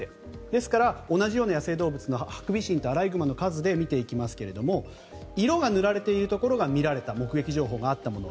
ですから同じような野生動物のハクビシンとアライグマの数で見ていきますけれど色が塗られているところが見られた目撃情報があったところ。